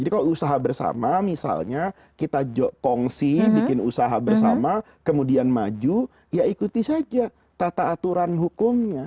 jadi kalau usaha bersama misalnya kita kongsi bikin usaha bersama kemudian maju ya ikuti saja tata aturan hukumnya